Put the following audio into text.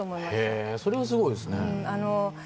へえそれはすごいですね